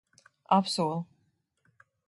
Apsolu.